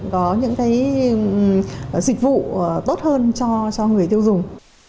có những cái dịch vụ tốt hơn cho người tiêu dùng